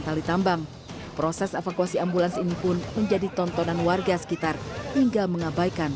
tali tambang proses evakuasi ambulans ini pun menjadi tontonan warga sekitar hingga mengabaikan